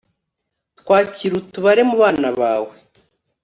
twakir'utubare mu bana bawe